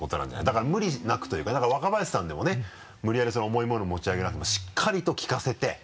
だから無理なくというかだから若林さんでもね無理やり重い物持ち上げなくてもしっかりと効かせて。